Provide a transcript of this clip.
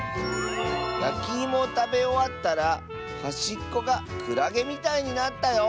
「やきいもをたべおわったらはしっこがクラゲみたいになったよ」。